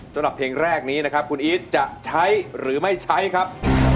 สำหรับเพลงแรกนี้นะครับคุณอีทจะใช้หรือไม่ใช้ครับ